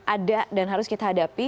ada dan harus kita hadapi